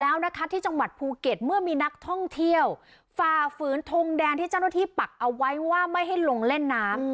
แล้วนะคะที่จังหวัดภูเก็ตเมื่อมีนักท่องเที่ยวฝ่าฝืนทงแดงที่เจ้าหน้าที่ปักเอาไว้ว่าไม่ให้ลงเล่นน้ำ